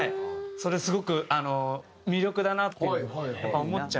それすごく魅力だなっていう風に思っちゃう。